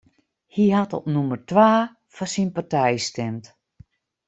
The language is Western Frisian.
Hy hat op nûmer twa fan syn partij stimd.